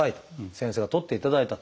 先生が取っていただいたと。